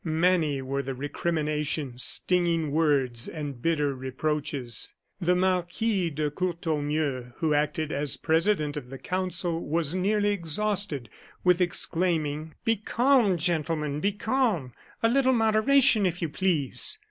Many were the recriminations, stinging words, and bitter reproaches. The Marquis de Courtornieu, who acted as president of the council, was nearly exhausted with exclaiming: "Be calm, gentlemen, be calm! A little moderation, if you please!"